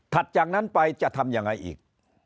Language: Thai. จากนั้นไปจะทำยังไงอีก